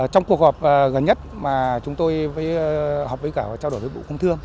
trong cuộc họp gần nhất mà chúng tôi với họp với cả trao đổi với bộ công thương